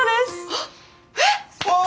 わっえっ？